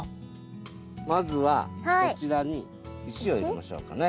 まずはこちらに石を入れましょうかね。